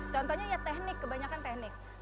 contohnya ya teknik kebanyakan teknik